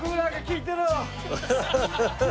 ハハハハッ。